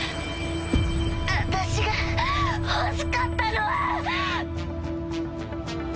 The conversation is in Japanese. ドクン私が欲しかったのは。